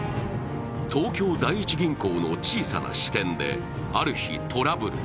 東京第一銀行の小さな視点である日、トラブルが。